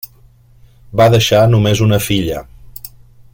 Va deixar només una filla.